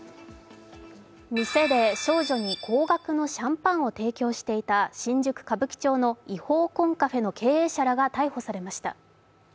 店で少女に高額のシャンパンを提供していた新宿・歌舞伎町の違法コンカフェの経営者らが逮捕されました。